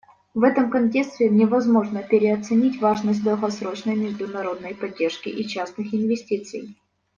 В этом контексте невозможно переоценить важность долгосрочной международной поддержки и частных инвестиций.